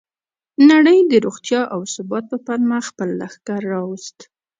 نړۍ د روغتیا او ثبات په پلمه خپل لښکر راوست.